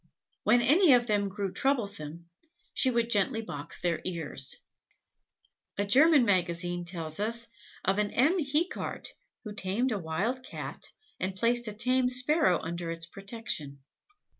When any of them grew troublesome, she would gently box their ears. A German magazine tells us of a M. Hecart, who tamed a wild Cat and placed a tame sparrow under its protection.